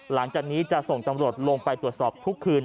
หลังจากนี้จะส่งตำรวจลงไปตรวจสอบทุกคืน